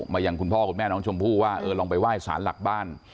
อย่างคุณพ่อคุณแม่น้องชมพู่ว่าเออลองไปไหว้สารหลักบ้าน